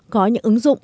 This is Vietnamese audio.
có những ứng dụng